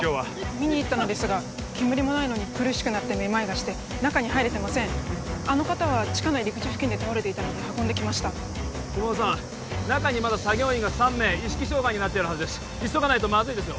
見に行ったのですが煙もないのに苦しくなってめまいがして中に入れてませんあの方は地下の入り口付近で倒れていたので運んできました駒場さん中にまだ作業員が３名意識障害になっているはずです急がないとまずいですよ